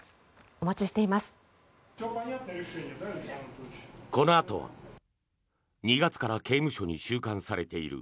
お待ちしています。